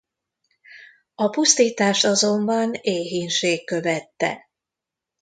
A pusztítást azonban éhínség követte.